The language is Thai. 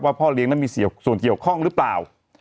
พ่อเลี้ยงนั้นมีส่วนเกี่ยวข้องหรือเปล่า